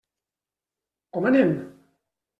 Com anem?